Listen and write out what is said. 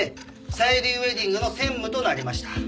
さゆりウェディングの専務となりました。